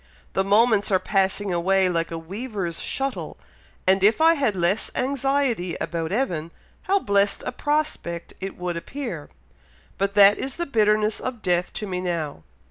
The moments are passing away like a weaver's shuttle; and if I had less anxiety about Evan, how blessed a prospect it would appear; but that is the bitterness of death to me now.